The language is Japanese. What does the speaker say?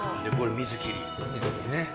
水切りね。